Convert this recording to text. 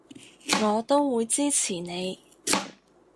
我都會支持你